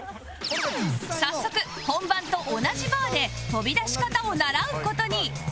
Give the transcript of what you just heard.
早速本番と同じバーで飛び出し方を習う事に